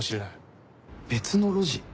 別の路地？